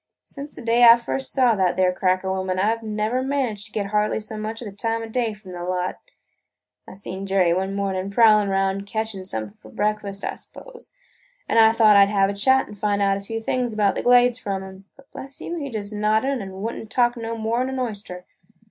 Since the day I first saw that there cracker woman, I 've never managed to get hardly so much as the time o' day from the lot. I seen Jerry one morning prowling around catchin' something for breakfast, I s'pose, an' I thought I 'd have a chat an' find out a few things about the Glades from him. But, bless you, he just nodded an' would n't talk no more 'n an oyster!